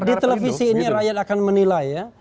di televisi ini rakyat akan menilai ya